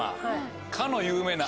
かの有名な。